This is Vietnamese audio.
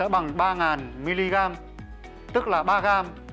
bằng ba mg tức là ba gram